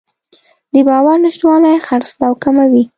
د باور نشتوالی خرڅلاو کموي.